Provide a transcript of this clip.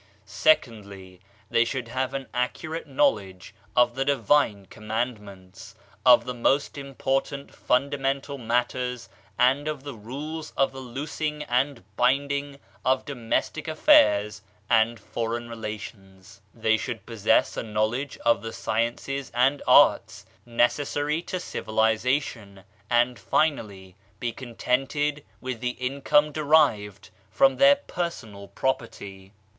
Secondly: They should have an accurate knowledge of the divine Commandments, of the most important fundamental matters and of the rules of the loosing and binding of domestic affairs and foreign relations; they should possess a knowl edge of the sciences and arts, necessary to civiliza tion, and filially be contented with the income derived from their personal property.